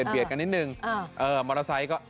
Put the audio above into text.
เบียดกันนิดนึงมอเตอร์ไซค์ก็